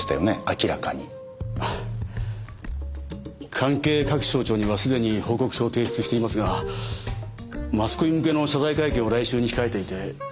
関係各省庁にはすでに報告書を提出していますがマスコミ向けの謝罪会見を来週に控えていて。